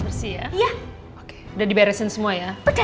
udah diberesin semua ya